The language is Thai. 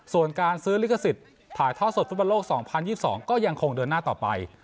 ส่วนการซื้อลิขสิทธิ์ถ่ายทอดสดฟุตบอลโลก๒๐๒๒ก็ยังคงเดินหน้าต่อไป